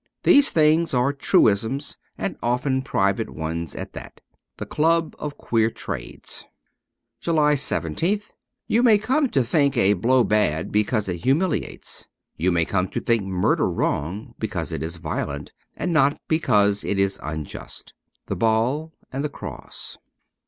These things are truisms and often private ones at that. ' The Club of Queer Trades. ' 2X9 JULY 17th YOU may come to think a blow bad because it humiliates. You may come to think murder wrong because it is violent, and not because it is unjust. ^The Ball and the Cross.'